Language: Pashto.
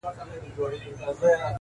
ماشومان يې بلاګاني په خوب ويني!